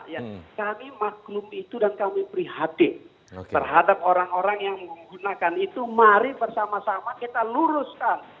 ya kami maklumi itu dan kami prihatin terhadap orang orang yang menggunakan itu mari bersama sama kita luruskan